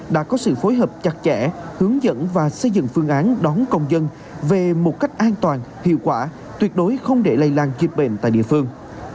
đã có sự phối hợp chặt chẽ hướng dẫn và xây dựng phương án đón công dân về một cách an toàn hiệu quả tuyệt đối không để lây lan dịch bệnh tại địa phương